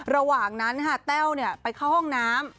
ระหว่างนั้นแต้วไปเข้าห้องน้ำ